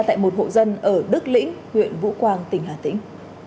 tại một hộ dân ở đức lĩnh huyện vũ quang tỉnh hà tĩnh